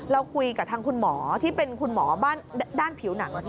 เราคุยกับทางคุณหมอที่เป็นคุณหมอบ้านด้านผิวหนัง